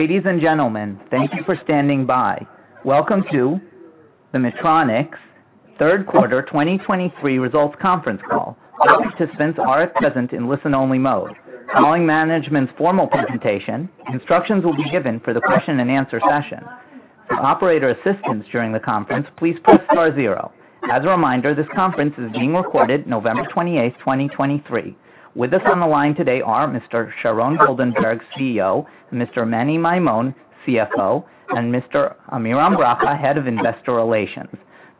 Ladies and gentlemen, thank you for standing by. Welcome to the Maytronics third quarter 2023 results conference call. All participants are at present in listen-only mode. Following management's formal presentation, instructions will be given for the question and answer session. For operator assistance during the conference, please press star zero. As a reminder, this conference is being recorded November 28, 2023. With us on the line today are Mr. Sharon Goldenberg, CEO, Mr. Meni Maymon, CFO, and Mr. Amiram Bracha, Head of Investor Relations.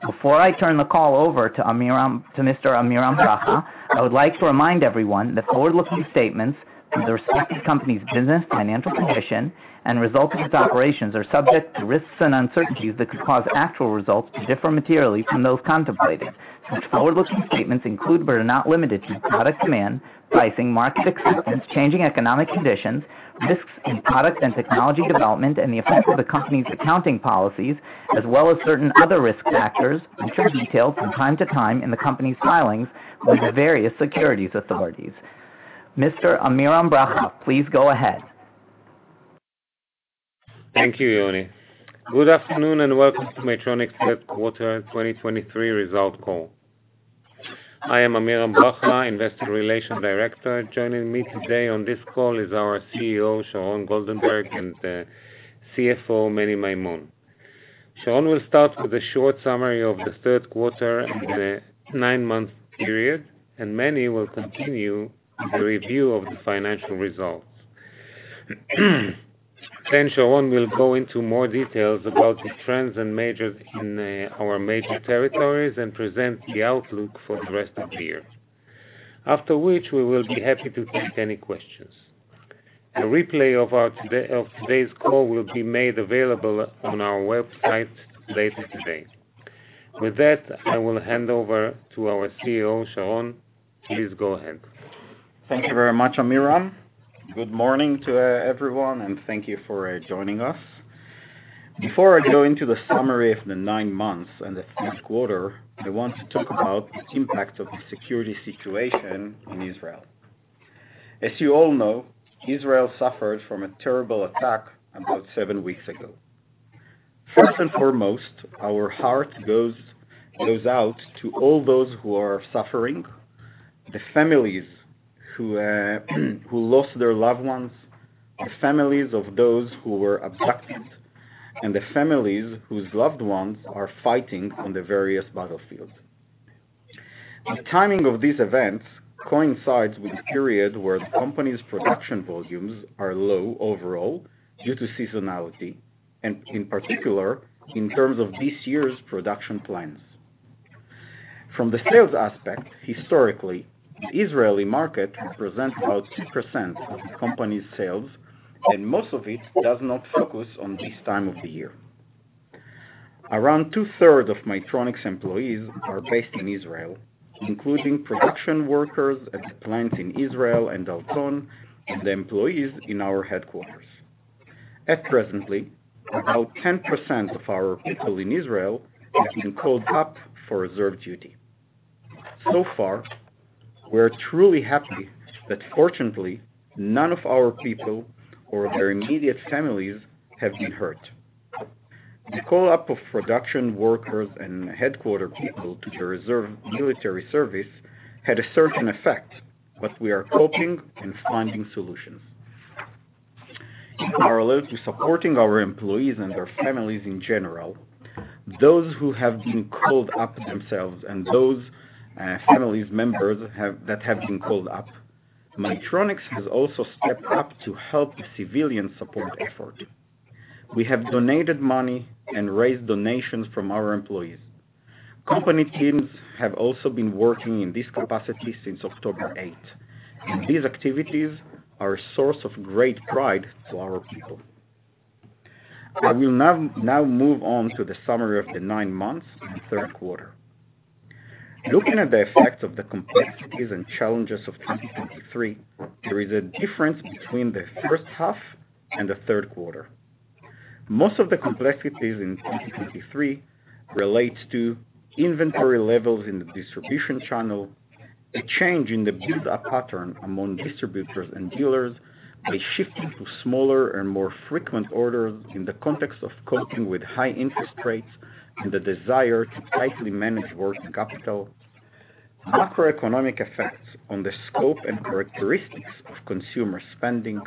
Before I turn the call over to Amiram, to Mr. Amiram Bracha, I would like to remind everyone that forward-looking statements as to the company's business, financial condition, and results of its operations are subject to risks and uncertainties that could cause actual results to differ materially from those contemplated. Such forward-looking statements include, but are not limited to, product demand, pricing, market acceptance, changing economic conditions, risks in product and technology development, and the effects of the company's accounting policies, as well as certain other risk factors, which are detailed from time to time in the company's filings with the various securities authorities. Mr. Amiram Bracha, please go ahead. Thank you, Yoni. Good afternoon, and welcome to Maytronics third quarter 2023 results call. I am Amiram Bracha, Investor Relations Director. Joining me today on this call is our CEO, Sharon Goldenberg, and CFO, Meni Maymon. Sharon will start with a short summary of the third quarter and the 9-month period, and Meni will continue the review of the financial results. Then Sharon will go into more details about the trends and matters in our major territories and present the outlook for the rest of the year, after which we will be happy to take any questions. A replay of today's call will be made available on our website later today. With that, I will hand over to our CEO, Sharon. Please go ahead. Thank you very much, Amiram. Good morning to everyone, and thank you for joining us. Before I go into the summary of the nine months and the third quarter, I want to talk about the impact of the security situation in Israel. As you all know, Israel suffered from a terrible attack about seven weeks ago. First and foremost, our heart goes out to all those who are suffering, the families who lost their loved ones, the families of those who were abducted, and the families whose loved ones are fighting on the various battlefields. The timing of these events coincides with a period where the company's production volumes are low overall due to seasonality, and in particular, in terms of this year's production plans. From the sales aspect, historically, the Israeli market represents about 2% of the company's sales, and most of it does not focus on this time of the year. Around two-thirds of Maytronics employees are based in Israel, including production workers at the plant in Israel and Dalton, and the employees in our headquarters. At present, about 10% of our people in Israel have been called up for reserve duty. So far, we're truly happy that fortunately, none of our people or their immediate families have been hurt. The call-up of production workers and headquarters people to the reserve military service had a certain effect, but we are coping and finding solutions. In order to support our employees and their families in general, those who have been called up themselves and those family members that have been called up, Maytronics has also stepped up to help the civilian support effort. We have donated money and raised donations from our employees. Company teams have also been working in this capacity since October eighth, and these activities are a source of great pride to our people. I will now move on to the summary of the nine months and third quarter. Looking at the effects of the complexities and challenges of 2023, there is a difference between the first half and the third quarter. Most of the complexities in 2023 relates to inventory levels in the distribution channel, a change in the build-up pattern among distributors and dealers, a shifting to smaller and more frequent orders in the context of coping with high interest rates, and the desire to tightly manage working capital. Macroeconomic effects on the scope and characteristics of consumer spending,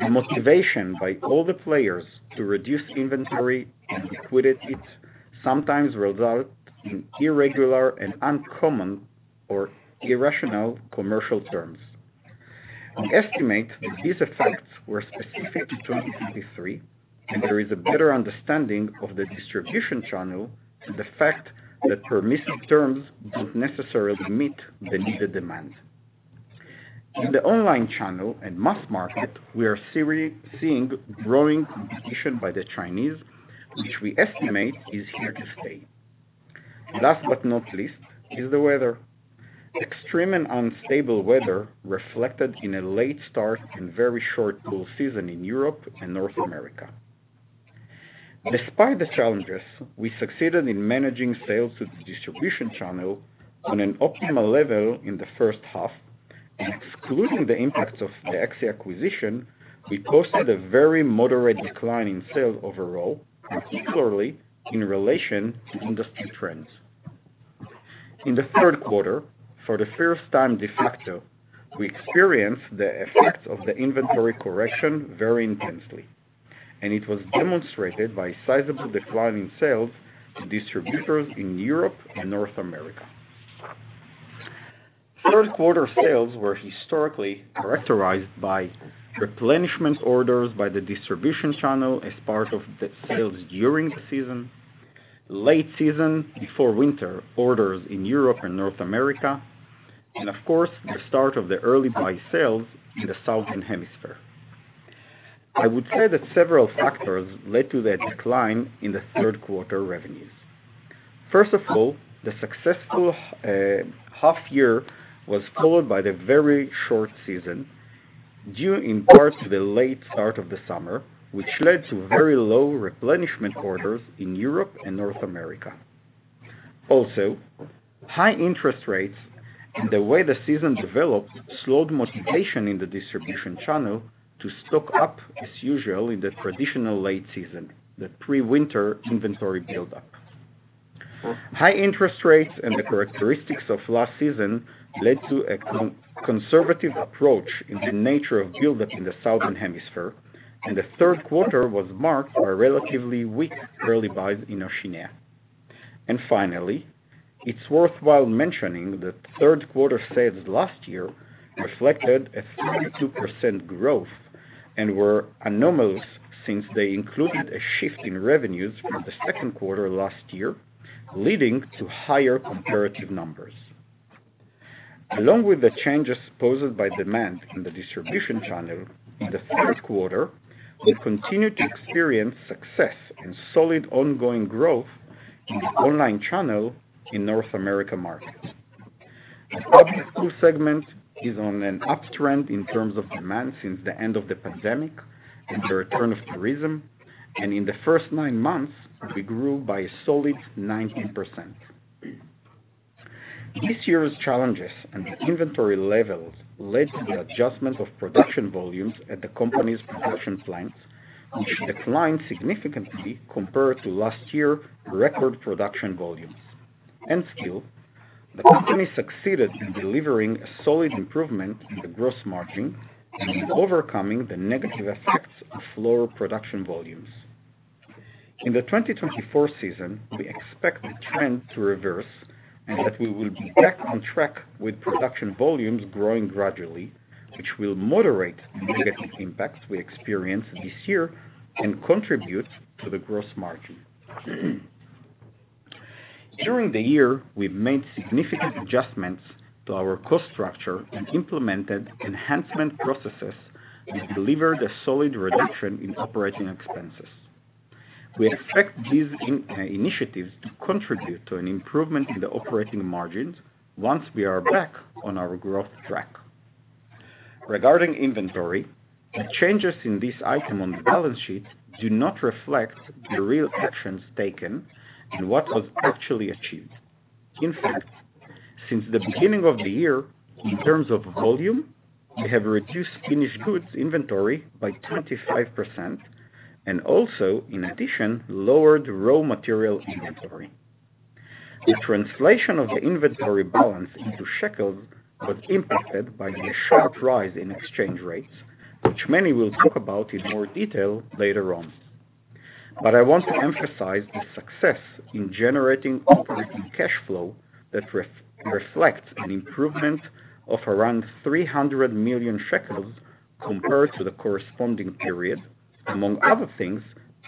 a motivation by all the players to reduce inventory and liquidate it, sometimes result in irregular and uncommon or irrational commercial terms. We estimate that these effects were specific to 2023, and there is a better understanding of the distribution channel and the fact that permissive terms don't necessarily meet the needed demand. In the online channel and mass market, we are seeing growing competition by the Chinese, which we estimate is here to stay. Last but not least is the weather. Extreme and unstable weather reflected in a late start and very short pool season in Europe and North America. Despite the challenges, we succeeded in managing sales to the distribution channel on an optimal level in the first half, and excluding the impacts of the ECCXI acquisition, we posted a very moderate decline in sales overall, and particularly in relation to industry trends. In the third quarter, for the first time, de facto, we experienced the effects of the inventory correction very intensely, and it was demonstrated by a sizable decline in sales to distributors in Europe and North America. Third quarter sales were historically characterized by replenishment orders by the distribution channel as part of the sales during the season, late season before winter orders in Europe and North America, and of course, the start of the early buy sales in the Southern Hemisphere. I would say that several factors led to the decline in the third quarter revenues. First of all, the successful half year was followed by the very short season, due in part to the late start of the summer, which led to very low replenishment orders in Europe and North America. Also, high interest rates and the way the season developed slowed motivation in the distribution channel to stock up as usual in the traditional late season, the pre-winter inventory buildup. High interest rates and the characteristics of last season led to a conservative approach in the nature of buildup in the Southern Hemisphere, and the third quarter was marked by a relatively weak early buys in Oceania. Finally, it's worthwhile mentioning that third quarter sales last year reflected a 32% growth and were anomalous, since they included a shift in revenues from the second quarter last year, leading to higher comparative numbers. Along with the changes posed by demand in the distribution channel, in the third quarter, we continued to experience success and solid ongoing growth in the online channel in North America markets. The public pool segment is on an uptrend in terms of demand since the end of the pandemic and the return of tourism, and in the first 9 months, we grew by a solid 19%. This year's challenges and the inventory levels led to the adjustment of production volumes at the company's production plants, which declined significantly compared to last year record production volumes. Still, the company succeeded in delivering a solid improvement in the gross margin and overcoming the negative effects of lower production volumes. In the 2024 season, we expect the trend to reverse and that we will be back on track with production volumes growing gradually, which will moderate the negative impacts we experienced this year and contribute to the gross margin. During the year, we've made significant adjustments to our cost structure and implemented enhancement processes, which delivered a solid reduction in operating expenses. We expect these initiatives to contribute to an improvement in the operating margins once we are back on our growth track. Regarding inventory, the changes in this item on the balance sheet do not reflect the real actions taken and what was actually achieved. In fact, since the beginning of the year, in terms of volume, we have reduced finished goods inventory by 25% and also, in addition, lowered raw material inventory. The translation of the inventory balance into shekels was impacted by the sharp rise in exchange rates, which Meni will talk about in more detail later on. But I want to emphasize the success in generating operating cash flow that reflects an improvement of around 300 million shekels compared to the corresponding period, among other things,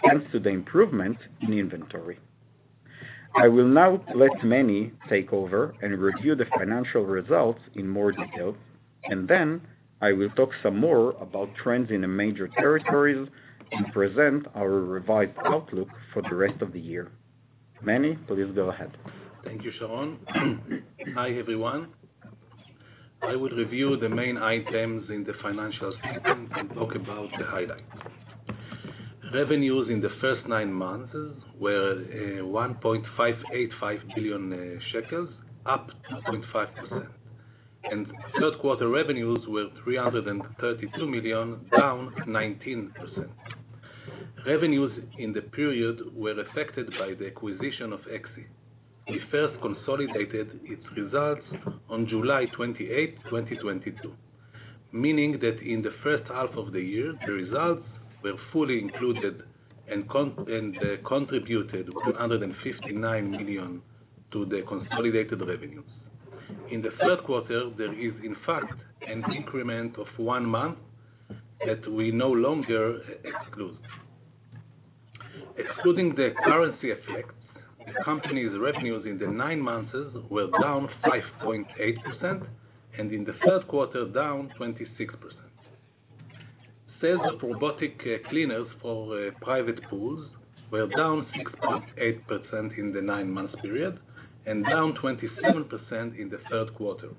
thanks to the improvement in inventory. I will now let Meni take over and review the financial results in more detail, and then I will talk some more about trends in the major territories and present our revised outlook for the rest of the year. Meni, please go ahead. Thank you, Sharon. Hi, everyone. I will review the main items in the financial statement and talk about the highlights. Revenues in the first nine months were 1.585 billion shekels, up 2.5%, and third quarter revenues were 332 million, down 19%. Revenues in the period were affected by the acquisition of ECCXI. We first consolidated its results on July 28, 2022, meaning that in the first half of the year, the results were fully included and contributed 259 million to the consolidated revenues. In the third quarter, there is, in fact, an increment of one month that we no longer exclude. Excluding the currency effects, the company's revenues in the nine months were down 5.8%, and in the third quarter, down 26%. Sales of robotic cleaners for private pools were down 6.8% in the nine-month period, and down 27% in the third quarter.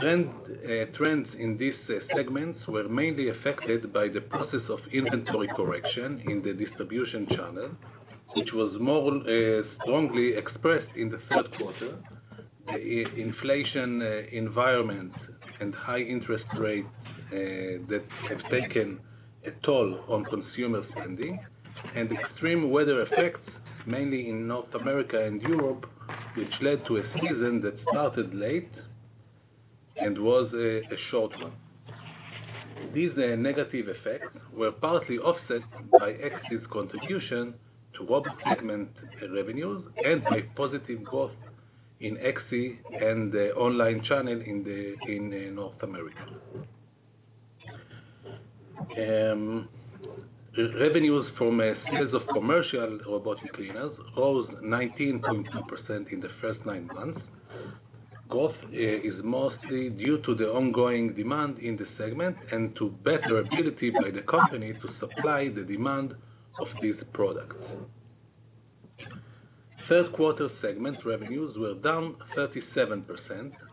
Trends in these segments were mainly affected by the process of inventory correction in the distribution channel, which was more strongly expressed in the third quarter. Inflation environment and high interest rates that have taken a toll on consumer spending, and extreme weather effects, mainly in North America and Europe, which led to a season that started late and was a short one. These negative effects were partly offset by X's contribution to Rob segment revenues and by positive growth in ECCXI and the online channel in North America. The revenues from sales of commercial robotic cleaners rose 19.2% in the first nine months. Growth is mostly due to the ongoing demand in the segment and to better ability by the company to supply the demand of these products. First quarter segment revenues were down 37%,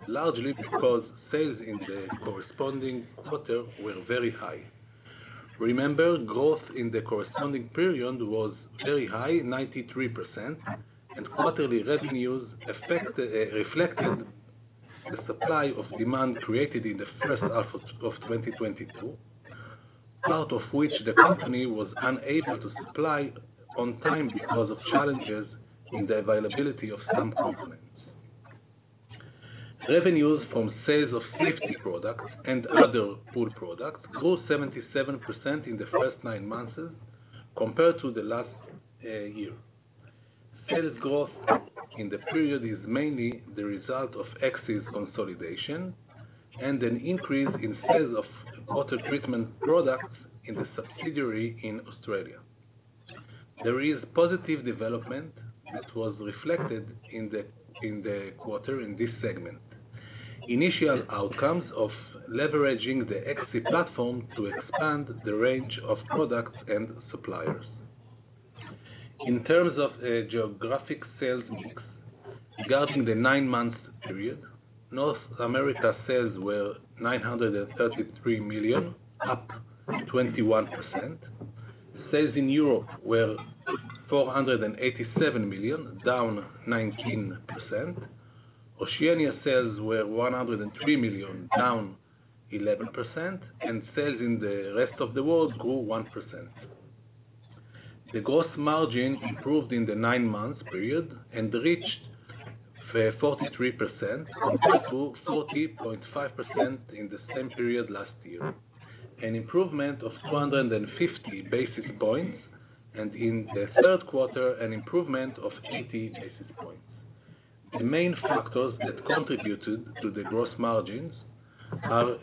largely because sales in the corresponding quarter were very high. Remember, growth in the corresponding period was very high, 93%, and quarterly revenues effect reflected the supply of demand created in the first half of 2022, part of which the company was unable to supply on time because of challenges in the availability of some components. Revenues from sales of safety products and other pool products grew 77% in the first nine months compared to the last year. Sales growth in the period is mainly the result of ECCXI's consolidation and an increase in sales of water treatment products in the subsidiary in Australia. There is positive development that was reflected in the quarter in this segment. Initial outcomes of leveraging the ECCXI platform to expand the range of products and suppliers. In terms of geographic sales mix, regarding the nine-month period, North America sales were 933 million, up 21%. Sales in Europe were 487 million, down 19%. Oceania sales were 103 million, down 11%, and sales in the rest of the world grew 1%. The gross margin improved in the nine-month period and reached 43%, compared to 40.5% in the same period last year. An improvement of 250 basis points, and in the third quarter, an improvement of 80 basis points. The main factors that contributed to the gross margins are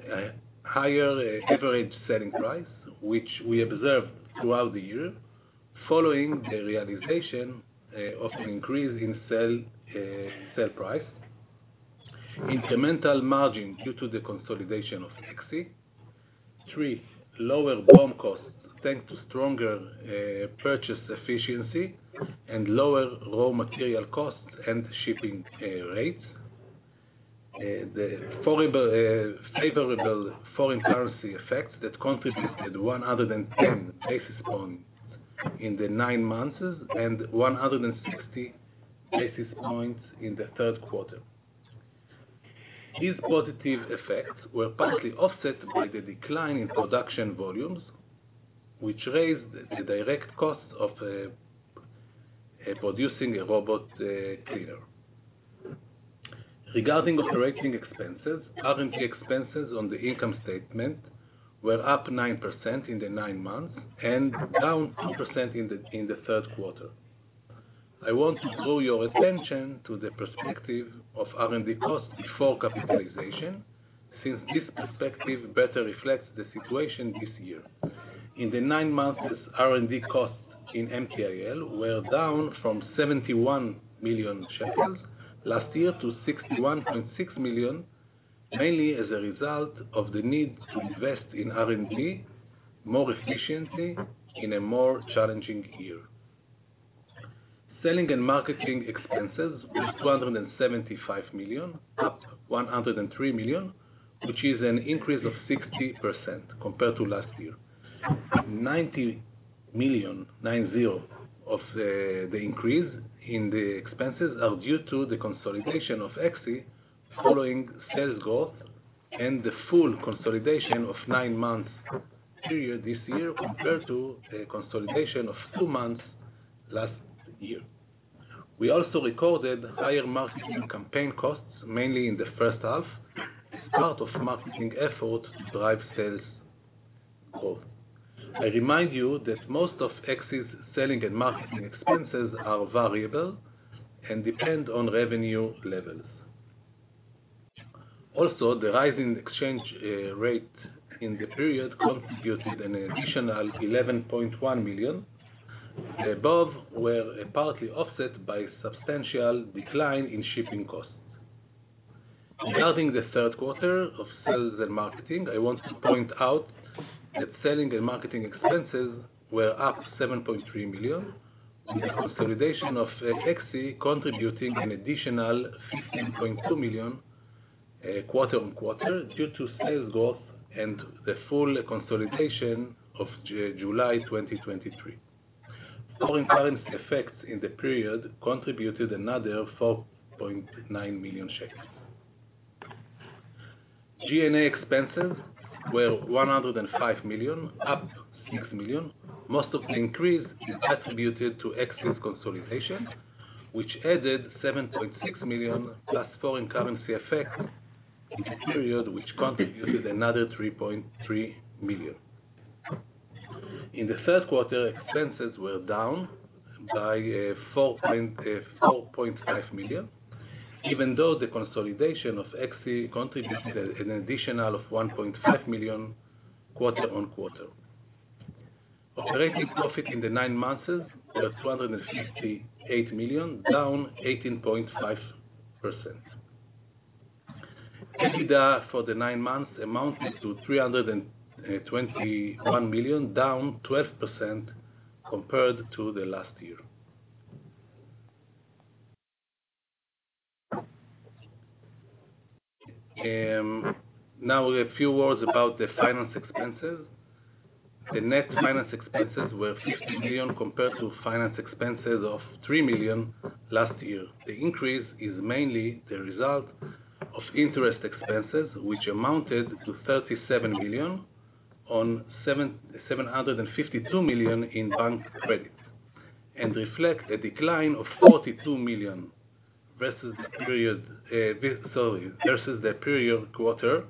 higher average selling price, which we observed throughout the year, following the realization of an increase in sale price. Incremental margin due to the consolidation of ECCXI. Three, lower BOM costs, thanks to stronger purchase efficiency and lower raw material costs and shipping rates. The favorable foreign currency effect that contributed 110 basis points in the nine months, and 160 basis points in the third quarter. These positive effects were partly offset by the decline in production volumes, which raised the direct cost of producing a robot cleaner. Regarding operating expenses, R&D expenses on the income statement were up 9% in the nine months, and down 2% in the third quarter. I want to draw your attention to the perspective of R&D costs before capitalization, since this perspective better reflects the situation this year. In the nine months, R&D costs in MTIL were down from 71 million shekels last year to 61.6 million, mainly as a result of the need to invest in R&D more efficiently in a more challenging year. Selling and marketing expenses was 275 million, up 103 million, which is an increase of 60% compared to last year. 90 million of the increase in the expenses are due to the consolidation of ECCXI, following sales growth and the full consolidation of nine months period this year, compared to a consolidation of two months last year. We also recorded higher marketing campaign costs, mainly in the first half, as part of marketing effort to drive sales growth. I remind you that most of ECCXI's selling and marketing expenses are variable, and depend on revenue levels. Also, the rise in exchange rate in the period contributed an additional 11.1 million. The above were partly offset by substantial decline in shipping costs. Regarding the third quarter of sales and marketing, I want to point out. Net selling and marketing expenses were up 7.3 million, with the consolidation of ECCXI contributing an additional 15.2 million quarter-on-quarter, due to sales growth and the full consolidation of July 2023. Foreign currency effects in the period contributed another 4.9 million shekels. G&A expenses were 105 million, up 6 million. Most of the increase is attributed to ECCXI's consolidation, which added $7.6 million, plus foreign currency effect in the period, which contributed another $3.3 million. In the first quarter, expenses were down by $4.5 million, even though the consolidation of ECCXI contributed an additional $1.5 million quarter-over-quarter. Operating profit in the nine months was $258 million, down 18.5%. EBITDA for the nine months amounted to $321 million, down 12% compared to last year. Now, a few words about the finance expenses. The net finance expenses were $50 million, compared to finance expenses of $3 million last year. The increase is mainly the result of interest expenses, which amounted to 37 million on 752 million in bank credit, and reflects a decline of 42 million versus the period quarter,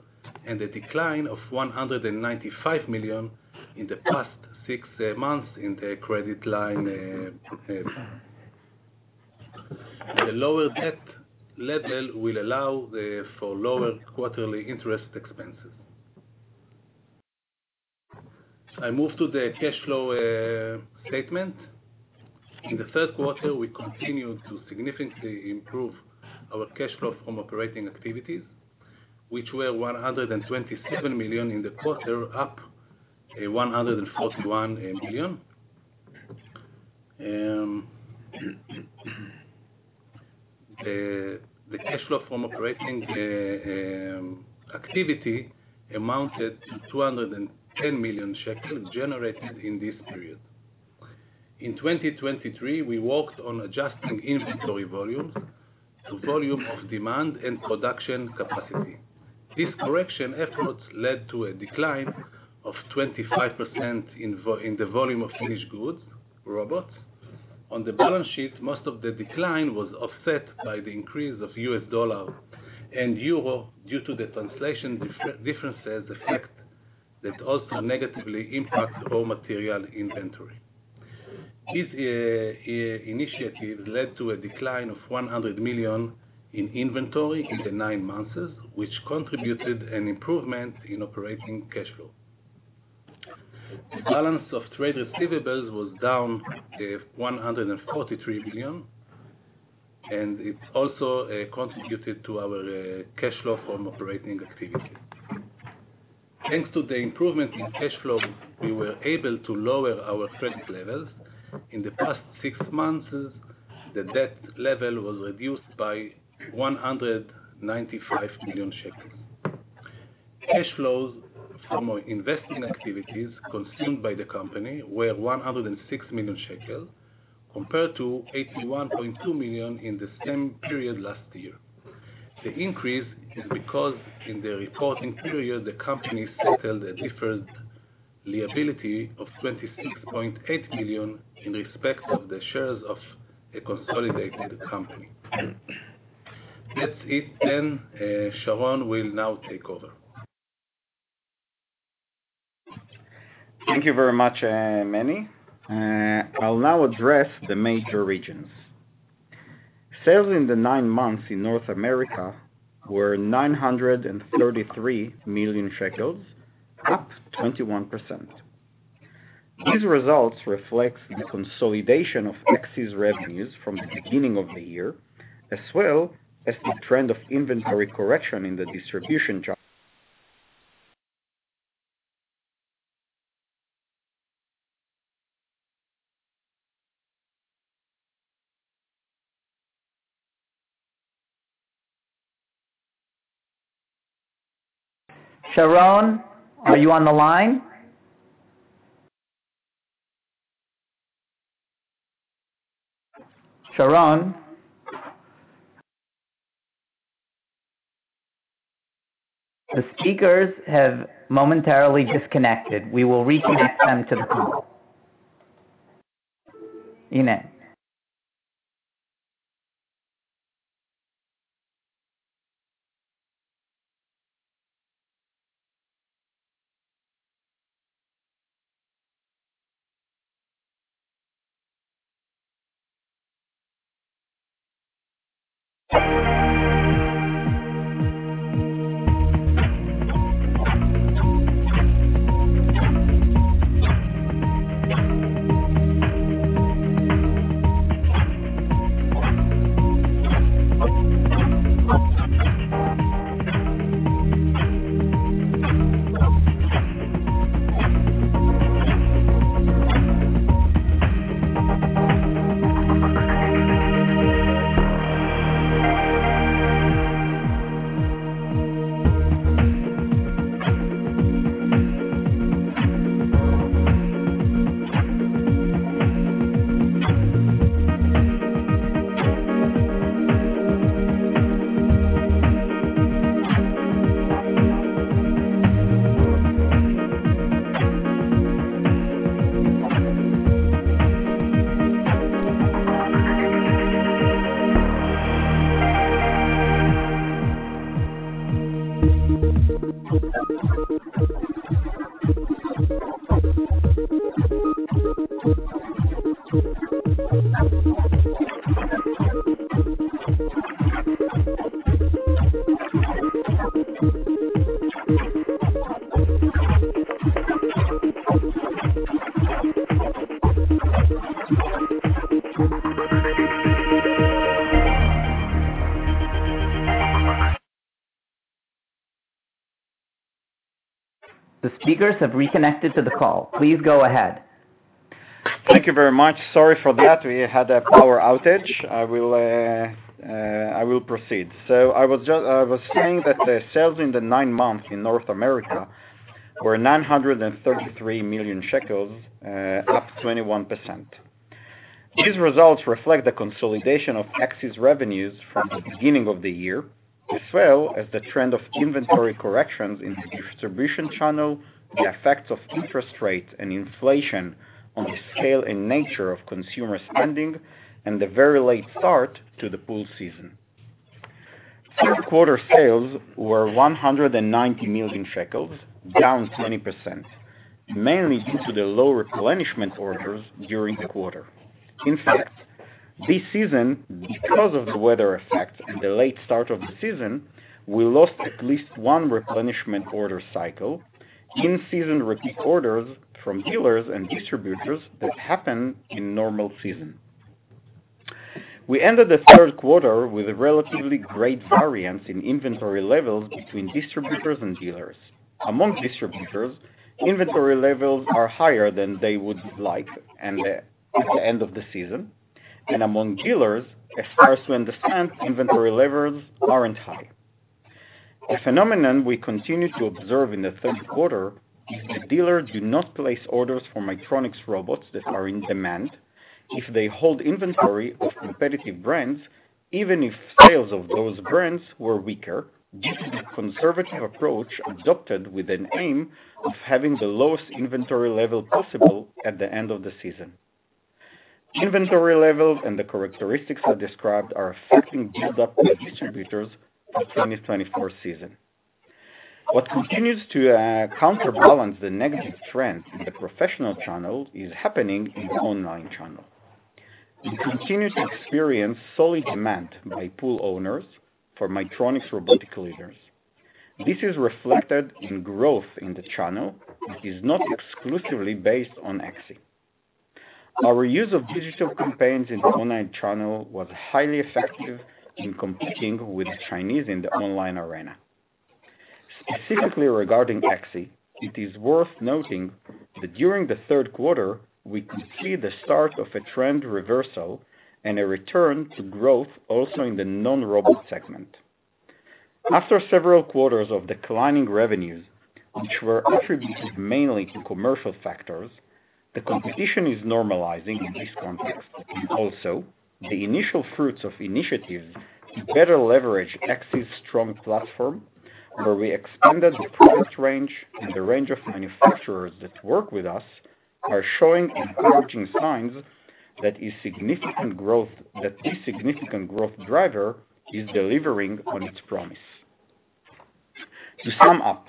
and a decline of 195 million in the past six months in the credit line. The lower debt level will allow for lower quarterly interest expenses. I move to the cash flow statement. In the first quarter, we continued to significantly improve our cash flow from operating activities, which were 127 million in the quarter, up 141 million. The cash flow from operating activity amounted to 210 million shekels generated in this period. In 2023, we worked on adjusting inventory volumes to volume of demand and production capacity. These correction efforts led to a decline of 25% in the volume of finished goods, robots. On the balance sheet, most of the decline was offset by the increase of U.S. dollar and euro due to the translation differences effect that also negatively impacts raw material inventory. This initiative led to a decline of 100 million in inventory in the nine months, which contributed an improvement in operating cash flow. The balance of trade receivables was down 143 billion, and it also contributed to our cash flow from operating activity. Thanks to the improvement in cash flow, we were able to lower our credit levels. In the past six months, the debt level was reduced by 195 million shekels. Cash flows from investing activities consumed by the company were 106 million shekel, compared to 81.2 million in the same period last year. The increase is because in the reporting period, the company settled a deferred liability of 26.8 million in respect of the shares of a consolidated company. That's it then, Sharon will now take over. Thank you very much, M. I'll now address the major regions. Sales in the nine months in North America were 933 million shekels, up 21%. These results reflects the consolidation of ECCXI's revenues from the beginning of the year, as well as the trend of inventory correction in the distribution job. Sharon, are you on the line? Sharon? The speakers have momentarily disconnected. We will reconnect them to the call. The speakers have reconnected to the call. Please go ahead. Thank you very much. Sorry for that. We had a power outage. I will proceed. So I was just, I was saying that the sales in the nine months in North America were 933 million shekels, up 21%. These results reflect the consolidation of ECCXI's revenues from the beginning of the year, as well as the trend of inventory corrections in the distribution channel, the effects of interest rates and inflation on the scale and nature of consumer spending, and the very late start to the pool season. Third quarter sales were 190 million shekels, down 20%, mainly due to the low replenishment orders during the quarter. In fact, this season, because of the weather effect and the late start of the season, we lost at least one replenishment order cycle in season orders from dealers and distributors that happen in normal season. We ended the third quarter with a relatively great variance in inventory levels between distributors and dealers. Among distributors, inventory levels are higher than they would like, and, at the end of the season, and among dealers, as far as we understand, inventory levels aren't high. A phenomenon we continue to observe in the third quarter is the dealers do not place orders for Maytronics robots that are in demand if they hold inventory of competitive brands, even if sales of those brands were weaker, due to the conservative approach adopted with an aim of having the lowest inventory level possible at the end of the season. Inventory levels and the characteristics I described are affecting build-up by distributors for 2024 season. What continues to counterbalance the negative trend in the professional channel is happening in the online channel. We continue to experience solid demand by pool owners for Maytronics robotic cleaners. This is reflected in growth in the channel, which is not exclusively based on ECCXI. Our use of digital campaigns in the online channel was highly effective in competing with Chinese in the online arena. Specifically regarding ECCXI, it is worth noting that during the third quarter, we could see the start of a trend reversal and a return to growth also in the non-robot segment. After several quarters of declining revenues, which were attributed mainly to commercial factors, the competition is normalizing in this context. Also, the initial fruits of initiatives to better leverage ECCXI's strong platform, where we expanded the product range and the range of manufacturers that work with us, are showing encouraging signs that this significant growth driver is delivering on its promise. To sum up,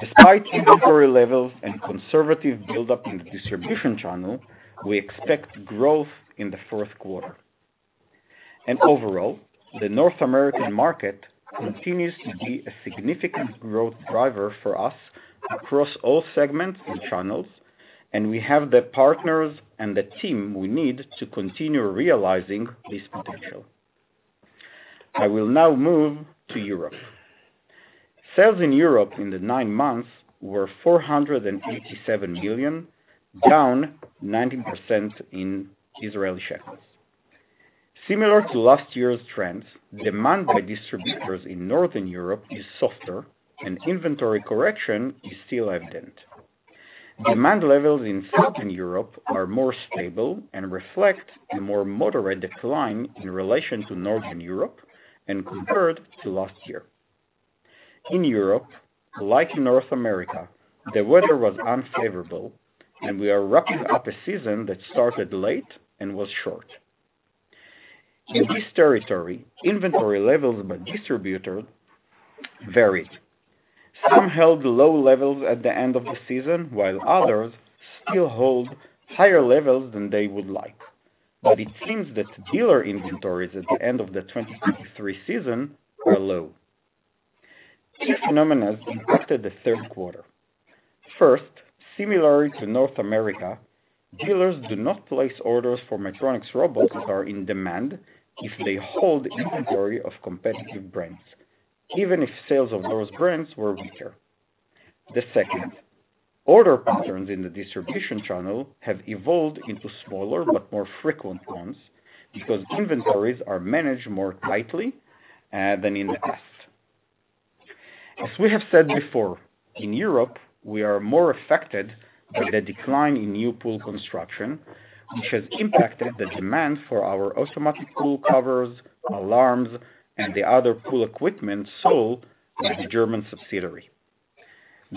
despite inventory levels and conservative buildup in the distribution channel, we expect growth in the fourth quarter. Overall, the North American market continues to be a significant growth driver for us across all segments and channels, and we have the partners and the team we need to continue realizing this potential. I will now move to Europe. Sales in Europe in the nine months were 487 million, down 19% in Israeli shekels. Similar to last year's trends, demand by distributors in Northern Europe is softer and inventory correction is still evident. Demand levels in Southern Europe are more stable and reflect a more moderate decline in relation to Northern Europe and compared to last year. In Europe, like in North America, the weather was unfavorable and we are wrapping up a season that started late and was short. In this territory, inventory levels by distributors varied. Some held low levels at the end of the season, while others still hold higher levels than they would like. But it seems that dealer inventories at the end of the 2023 season are low. These phenomena impacted the third quarter. First, similar to North America, dealers do not place orders for Maytronics robots that are in demand if they hold inventory of competitive brands, even if sales of those brands were weaker. The second, order patterns in the distribution channel have evolved into smaller but more frequent ones, because inventories are managed more tightly than in the past. As we have said before, in Europe, we are more affected by the decline in new pool construction, which has impacted the demand for our automatic pool covers, alarms, and the other pool equipment sold by the German subsidiary.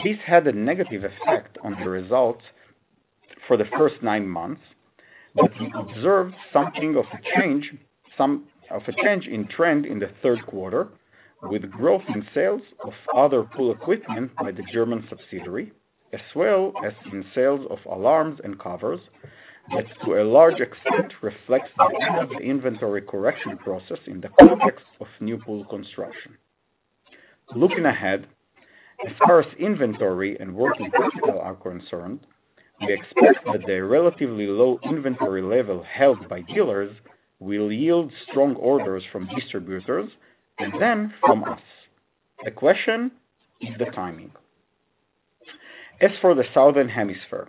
This had a negative effect on the results for the first nine months, but we observed something of a change in trend in the third quarter, with growth in sales of other pool equipment by the German subsidiary, as well as in sales of alarms and covers, that to a large extent reflects the end of the inventory correction process in the context of new pool construction. Looking ahead, as far as inventory and working capital are concerned, we expect that the relatively low inventory level held by dealers will yield strong orders from distributors and then from us. The question is the timing. As for the Southern Hemisphere,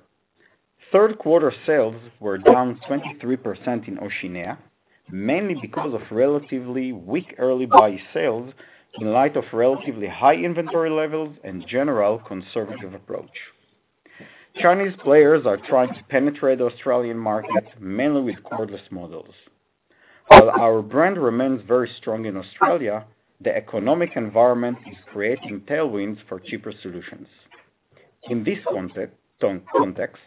third quarter sales were down 23% in Oceania, mainly because of relatively weak early buy sales in light of relatively high inventory levels and general conservative approach. Chinese players are trying to penetrate the Australian market, mainly with cordless models. While our brand remains very strong in Australia, the economic environment is creating tailwinds for cheaper solutions. In this context,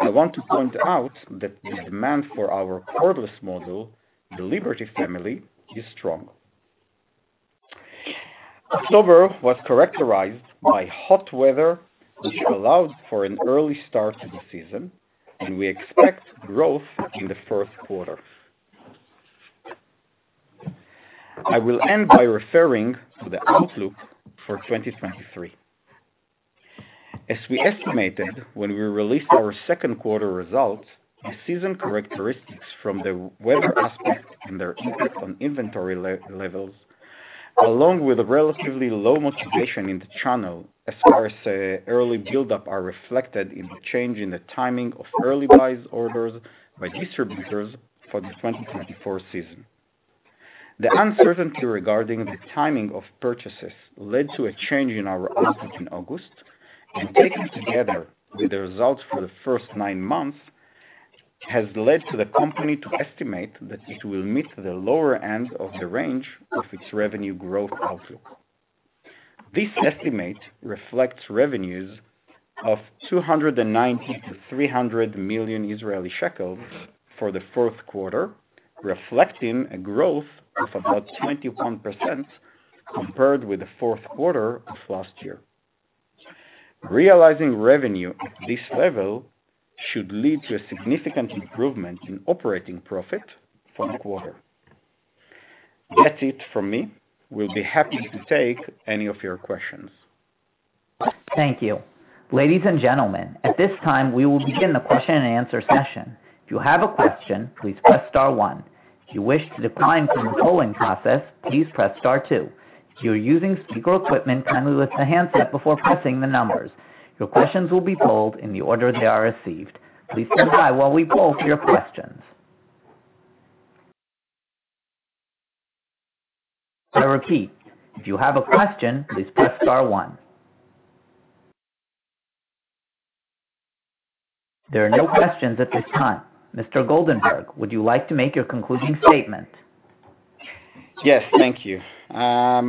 I want to point out that the demand for our cordless model, the Liberty family, is strong. October was characterized by hot weather, which allowed for an early start to the season, and we expect growth in the first quarter. I will end by referring to the outlook for 2023. As we estimated when we released our second quarter results, the season characteristics from the weather aspect and their impact on inventory levels, along with a relatively low motivation in the channel as far as early buildup, are reflected in the change in the timing of early buy orders by distributors for the 2024 season. The uncertainty regarding the timing of purchases led to a change in our outlook in August, and taken together with the results for the first nine months, has led the company to estimate that it will meet the lower end of the range of its revenue growth outlook. This estimate reflects revenues of 290 million-300 million Israeli shekels for the fourth quarter, reflecting a growth of about 21% compared with the fourth quarter of last year. Realizing revenue at this level should lead to a significant improvement in operating profit for the quarter. That's it from me. We'll be happy to take any of your questions. Thank you. Ladies and gentlemen, at this time, we will begin the question and answer session. If you have a question, please press star one. If you wish to decline from the polling process, please press star two. If you are using speaker equipment, kindly lift the handset before pressing the numbers. Your questions will be polled in the order they are received. Please stand by while we poll for your questions. I repeat, if you have a question, please press star one. There are no questions at this time. Mr. Goldenberg, would you like to make your concluding statement? Yes, thank you. We are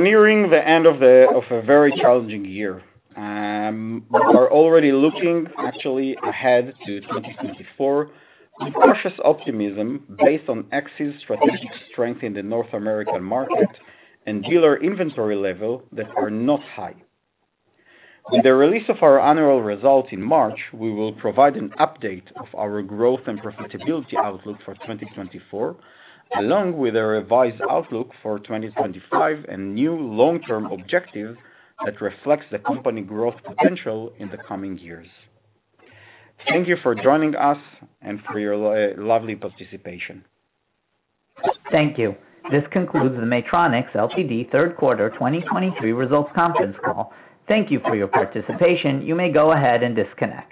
nearing the end of the, of a very challenging year. We are already looking actually ahead to 2024 with cautious optimism based on Maytronics' strategic strength in the North American market and dealer inventory level that are not high. In the release of our annual results in March, we will provide an update of our growth and profitability outlook for 2024, along with a revised outlook for 2025 and new long-term objective that reflects the company growth potential in the coming years. Thank you for joining us and for your lovely participation. Thank you. This concludes the Maytronics Ltd. third quarter 2023 results conference call. Thank you for your participation. You may go ahead and disconnect.